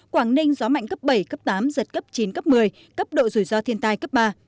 quảng ninh gió mạnh cấp bảy cấp tám giật cấp chín cấp một mươi cấp độ rủi ro thiên tai cấp ba